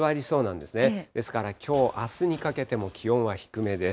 ですからきょう、あすにかけても気温は低めです。